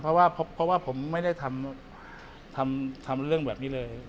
เพราะว่าผมไม่ได้ทำเรื่องแบบนี้เลย